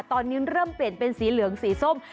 ตอนนี้เริ่มเปลี่ยนเป็นสีเหลืองสีส้ม